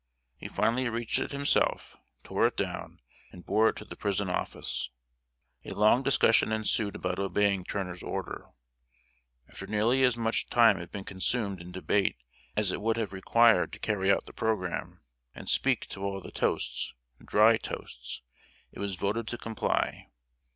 He finally reached it himself, tore it down, and bore it to the prison office. A long discussion ensued about obeying Turner's order. After nearly as much time had been consumed in debate as it would have required to carry out the programme, and speak to all the toasts dry toasts it was voted to comply.